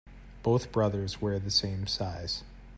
Both brothers wear the same size.